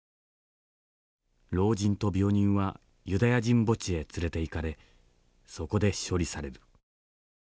老人と病人はユダヤ人墓地へ連れていかれそこで処理される」。